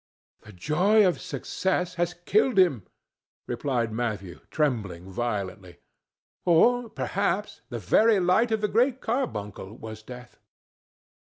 "The joy of success has killed him," replied Matthew, trembling violently. "Or perhaps the very light of the Great Carbuncle was death."